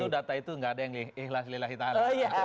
nah tentu data itu nggak ada yang ihlas lelah hitam